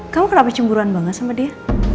kamu kenapa cemburuan banget sama dia